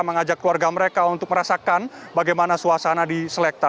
mengajak keluarga mereka untuk merasakan bagaimana suasana di selekta